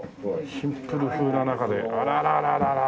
シンプル風な中であらら。